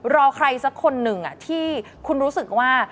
รอใครสักคนหนึ่งที่คุณรู้สึกว่า